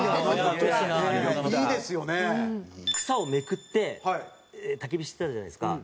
草をめくって焚き火してたじゃないですか。